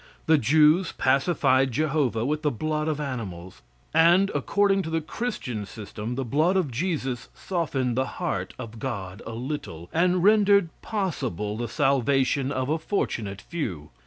The Jews pacified Jehovah with the blood of animals, and according to the Christian system, the blood of Jesus softened the heart of God a little, and rendered possible the salvation of a fortunate few.